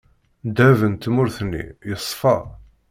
Ddheb n tmurt-nni yeṣfa.